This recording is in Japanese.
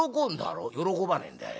「喜ばねえんだよ。